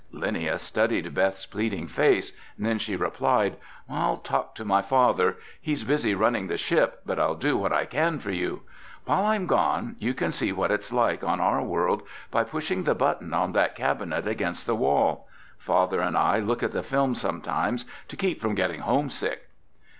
Linnia studied Beth's pleading face. Then she replied, "I'll talk to my father. He's busy running the ship, but I'll do what I can for you. While I'm gone, you can see what it's like on our world by pushing the button on that cabinet against the wall. Father and I look at the film sometimes to keep from getting homesick."